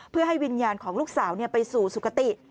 เพื่อให้วิญญาณของลูกสาวไปสู่สุขติ